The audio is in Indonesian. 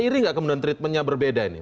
mirip nggak kemudian treatmentnya berbeda ini